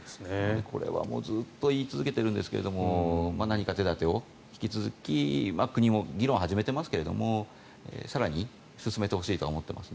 これはずっと言い続けてるんですが何か手立てを引き続き国も議論を始めていますが更に進めてほしいと思っています。